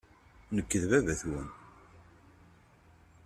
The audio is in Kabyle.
Nekk d baba-twen.